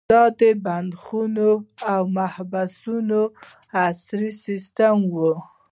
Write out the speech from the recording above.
دا د بندیخانو او محبسونو عصري سیستم و.